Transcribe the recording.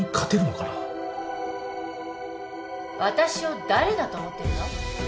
私を誰だと思ってるの？